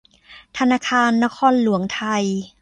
ธนาคารนครหลวงไทย